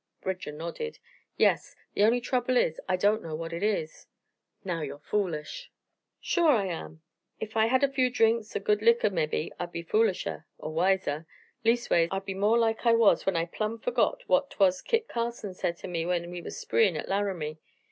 Bridger nodded. "Yes. The only trouble is, I don't know what it is." "Now you're foolish!" "Shore I am! Ef I had a few drinks o' good likker mebbe I'd be foolisher er wiser. Leastways, I'd be more like I was when I plumb forgot what 'twas Kit Carson said to me when we was spreein' at Laramie.